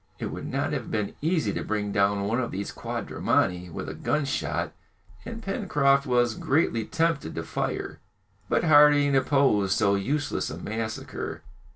It would have been easy to bring down one of these quadrumani with a gunshot, and Pencroft was greatly tempted to fire, but Harding opposed so useless a massacre.